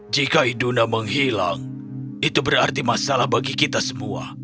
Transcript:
jika iduna menghilang itu berarti masalah bagi kita semua